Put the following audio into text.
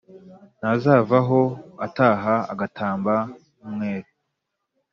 Ntazavaho ataha Agatamba nk’umwere?